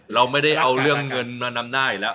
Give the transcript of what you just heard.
เราไม่ได้เอาเรื่องเงินมานำหน้าอีกแล้ว